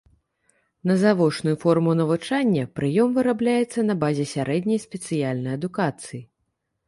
На завочную форму навучання прыём вырабляецца на базе сярэдняй спецыяльнай адукацыі.